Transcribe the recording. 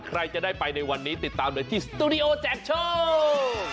ใครจะได้ไปในวันนี้ติดตามเลยที่สตูดิโอแจกโชค